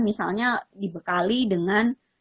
misalnya dibekali dengan